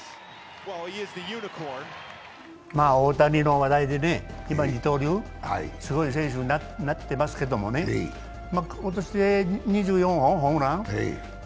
大谷の話題で今、二刀流、すごい選手になってますけどもね今年で２４本ホームラン。